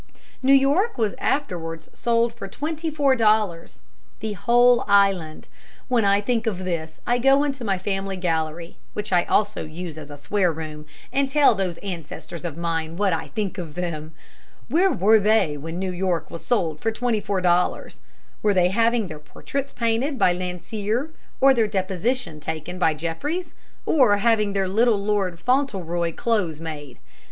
New York was afterwards sold for twenty four dollars, the whole island. When I think of this I go into my family gallery, which I also use as a swear room, and tell those ancestors of mine what I think of them. Where were they when New York was sold for twenty four dollars? Were they having their portraits painted by Landseer, or their deposition taken by Jeffreys, or having their Little Lord Fauntleroy clothes made?